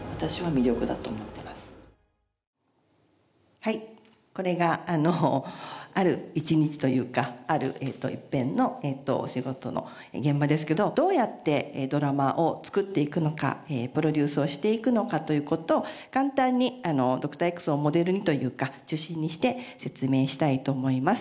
はいこれがあのある一日というかある一片のお仕事の現場ですけどどうやってドラマを作っていくのかプロデュースをしていくのかという事を簡単に『Ｄｏｃｔｏｒ−Ｘ』をモデルにというか中心にして説明したいと思います。